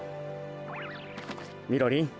みろりん。